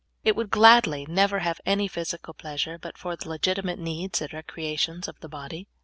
It w^ould gladly never have any physical pleasure but for the legitimate needs and recreations of the body.